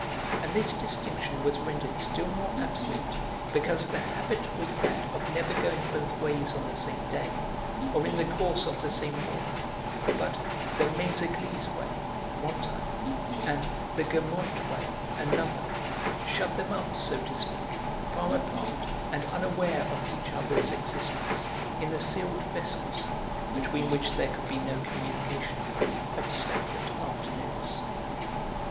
And this distinction was rendered still more absolute because the habit we had of never going both ways on the same day, or in the course of the same walk, but the 'Méséglise way' one time and the 'Guermantes way' another, shut them up, so to speak, far apart and unaware of each other's existence, in the sealed vessels between which there could be no communication of separate afternoons.